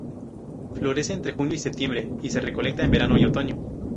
Florece entre junio y septiembre y se recolecta en verano y otoño.